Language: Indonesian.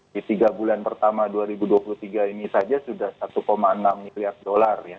di tiga bulan pertama dua ribu dua puluh tiga ini saja sudah satu enam miliar dolar ya